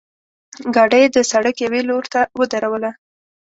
ګاډۍ یې د سړک یوې لورته ودروله.